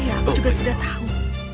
aku juga tidak tahu